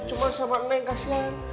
cuma sama nenek kasihan